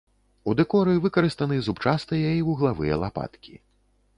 У дэкоры выкарыстаны зубчастыя і вуглавыя лапаткі.